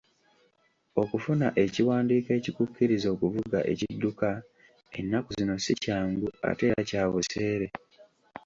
Okufuna ekiwandiiko ekikukkiriza okuvuga ekidduka ennaku zino ssi kyangu ate era kya buseere.